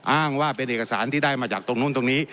อ้างว่าเป็นเอกสารที่ได้มาจากตรงนู้นตรงนี้